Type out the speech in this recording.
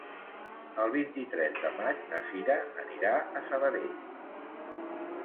El vint-i-tres de maig na Sira anirà a Sabadell.